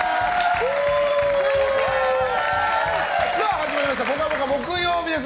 始まりました「ぽかぽか」木曜日です。